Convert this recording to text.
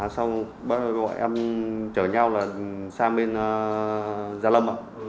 sau đó bọn em chở nhau sang bên gia lâm ạ